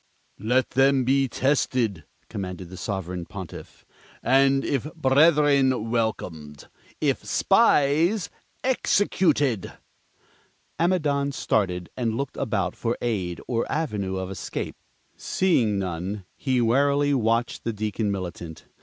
"Let them be tested," commanded the Sovereign Pontiff, "and, if brethren, welcomed; if spies, executed!" Amidon started, and looked about for aid or avenue of escape. Seeing none, he warily watched the Deacon Militant.